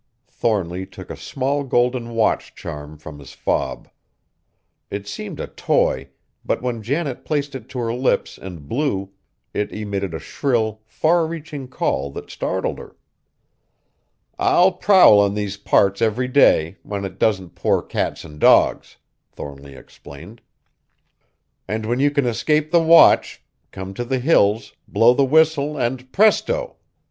Thornly took a small golden watch charm from his fob. It seemed a toy, but when Janet placed it to her lips and blew, it emitted a shrill, far reaching call that startled her. "I'll prowl in these parts every day, when it doesn't pour cats and dogs," Thornly explained; "and when you can escape the watch, come to the Hills, blow the whistle and presto!